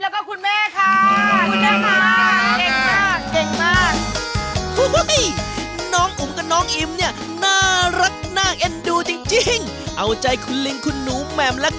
มวดผลไม้น้องอุ้งกับน้องอิ๋มก็จัดให้ได้นะครับแม่